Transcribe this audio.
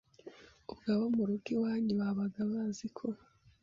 Ubwo abo mu rugo iwanyu babaga baziko